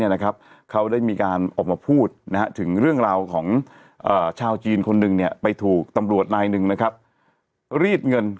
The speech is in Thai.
ในหน้าไกมาจีนตามเป็นการพูดเรื่องของข้าวชีนไปถูกตำรวจหน้ายเรียกหนึ่ง